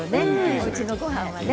おうちのごはんはね。